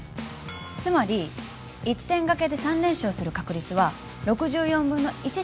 つまり１点賭けで３連勝する確率は６４分の１しかないんです。